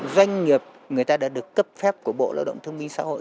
doanh nghiệp người ta đã được cấp phép của bộ lao động thương minh xã hội